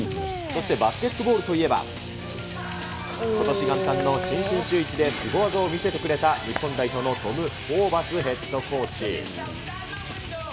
そしてバスケットボールといえば、ことし元旦の新春シューイチですご技を見せてくれた日本代表のトム・ホーバスヘッドコーチ。